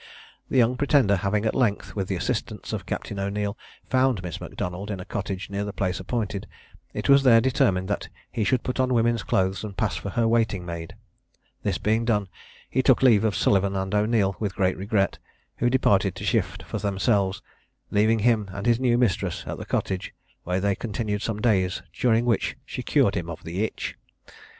The young Pretender having at length, with the assistance of Captain O'Neil, found Miss M'Donald in a cottage near the place appointed, it was there determined that he should put on women's clothes and pass for her waiting maid. This being done, he took leave of Sullivan and O'Neil with great regret, who departed to shift for themselves, leaving him and his new mistress in the cottage, where they continued some days, during which she cured him of the itch.